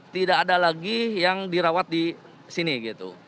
tidak ada lagi yang dirawat di sini gitu